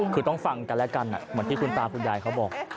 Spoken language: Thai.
คือต้องฟังกันและกันเหมือนที่คุณตาคุณยายเขาบอก